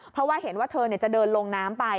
เพราะว่าเห็นว่าเธอจะเดินลงน้ำไป